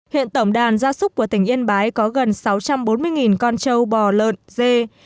hiện tổng đàn gia súc của tỉnh yên bái có gần sáu trăm bốn mươi con trâu bò lợn dê